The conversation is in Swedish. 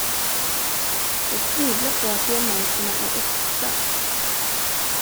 Jag tvivlar på att diamanterna är äkta.